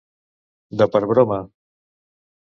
De per broma.